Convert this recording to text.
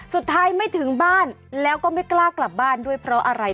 สุดท้ายไม่ถึงบ้านแล้วก็ไม่กล้ากลับบ้านด้วยเพราะอะไร